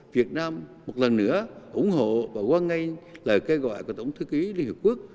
việt nam một lần nữa ủng hộ và quan ngay lời kêu gọi của tổng thư ký liên hợp quốc